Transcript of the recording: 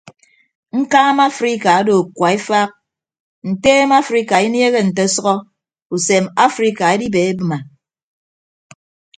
Ñkaama afrika odo kua efaak nteem afrika inieehe nte ọsʌhọ usem afrika edibeebịme.